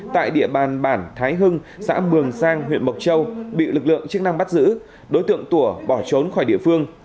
tại địa bàn bản thái hưng xã mường sang huyện mộc châu bị lực lượng chức năng bắt giữ đối tượng tủa bỏ trốn khỏi địa phương